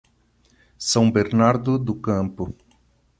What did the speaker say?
São Bernardo do Campo